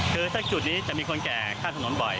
คือถ้าจุดนี้จะมีคนแก่ข้ามถนนบ่อย